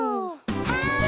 はい。